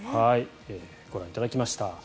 ご覧いただきました。